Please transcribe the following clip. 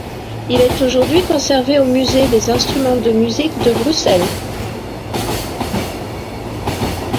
Il est aujourd'hui conservé au Musée des instruments de musique de Bruxelles.